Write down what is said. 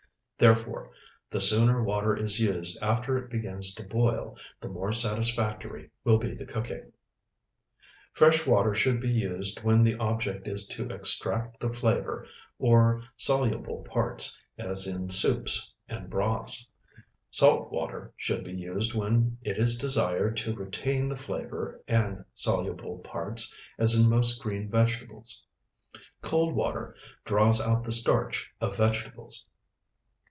Therefore, the sooner water is used after it begins to boil, the more satisfactory will be the cooking. Fresh water should be used when the object is to extract the flavor, or soluble parts, as in soups and broths. Salt water should be used when it is desired to retain the flavor and soluble parts, as in most green vegetables. Cold water draws out the starch of vegetables.